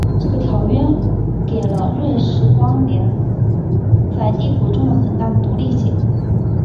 这个条约给了瑞士邦联在帝国中的很大的独立性。